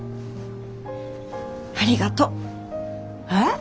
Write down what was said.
ありがとう。えっ？